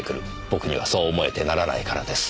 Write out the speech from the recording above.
僕にはそう思えてならないからです。